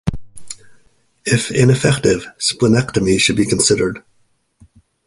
If ineffective, splenectomy should be considered.